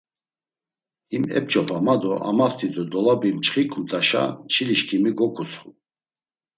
Him ep̌ç̌opa ma do amaft̆i do dolabi mçxiǩumt̆işa çilişǩimi goǩutsxu.